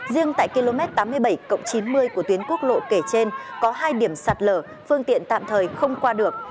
riêng tại km tám mươi bảy chín mươi của tuyến quốc lộ kể trên có hai điểm sạt lở phương tiện tạm thời không qua được